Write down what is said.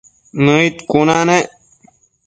Nëid cuna nec